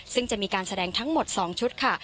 ซึ่งจะมีการแสดงทั้งหมด๒ชุดค่ะ